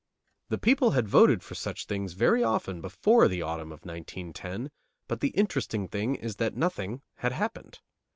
The people had voted for such things very often before the autumn of 1910, but the interesting thing is that nothing had happened.